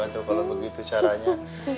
atau kalau begitu caranya